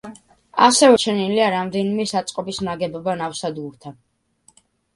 ასევე შემორჩენილია რამდენიმე საწყობის ნაგებობა ნავსადგურთან.